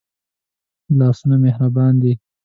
لاسونه مهربان دي